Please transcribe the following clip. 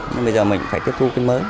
nên bây giờ mình phải tiếp thu cái mới